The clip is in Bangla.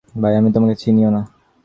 ভাই, আমি তোমাকে চিনিও না!